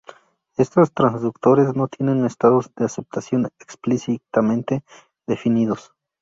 Éstos transductores no tienen estados de aceptación explícitamente definidos.